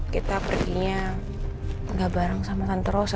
kita perginya nggak bareng sama tante rosa